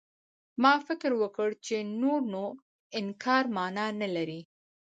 ما فکر وکړ چې نور نو انکار مانا نه لري.